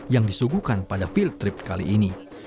yang disuguhkan pada field trip kali ini